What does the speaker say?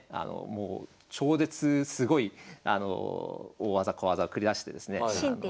もう超絶すごい大技・小技を繰り出してですね。